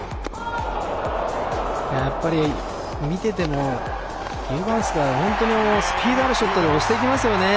見ていてもユーバンクスは本当にスピードあるショットで押していきますよね。